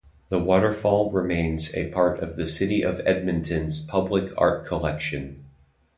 The waterfall remains a part of the City of Edmonton's Public Art Collection.